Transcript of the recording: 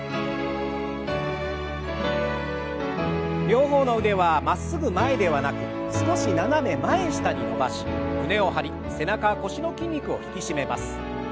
両方の腕はまっすぐ前ではなく少し斜め前下に伸ばし胸を張り背中腰の筋肉を引き締めます。